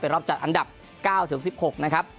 เป็นรอบจัดอันดับ๙๑๖นะครับ